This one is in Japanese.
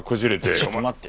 ちょっと待って！